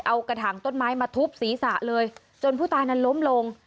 เอากระถางต้นไม้มาทุบศีรษะเลยจนผู้ตายนั้นล้มลง